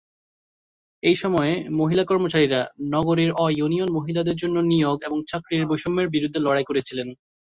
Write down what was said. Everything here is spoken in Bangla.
এই সময়ে, মহিলা কর্মচারীরা নগরীর অ-ইউনিয়ন মহিলাদের জন্য নিয়োগ এবং চাকরির বৈষম্যের বিরুদ্ধে লড়াই করেছিলেন।